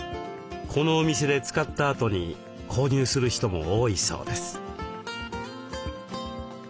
このお店で使ったあとに購入する人も多いそうです。